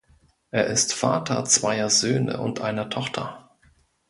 Er ist Vater zweier Söhne und einer Tochter.